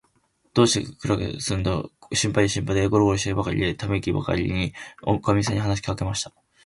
どうしてくらすかかんがえると、心配で心配で、ごろごろ寝がえりばかりして、ためいきまじりに、おかみさんに話しかけました。